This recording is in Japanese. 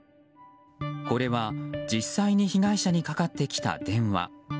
これは、実際に被害者にかかってきた電話。